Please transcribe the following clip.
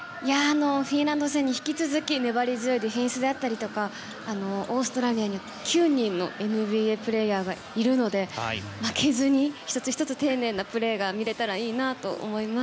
フィンランド戦に引き続き粘り強いディフェンスであったりオーストラリアに９人のＮＢＡプレーヤーがいるので負けずに１つ１つ丁寧なプレーが見れたらいいなと思います。